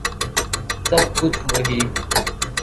سَب کُچھ وہی